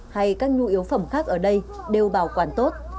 hay các nhu yếu phẩm khác ở đây đều bảo quản tốt